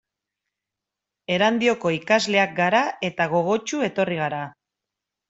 Erandioko ikasleak gara eta gogotsu etorri gara.